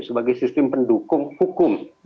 sebagai sistem pendukung hukum